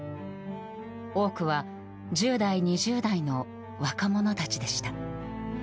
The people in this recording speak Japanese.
多くは１０代、２０代の若者たちでした。